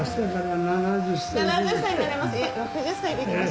７０歳になります？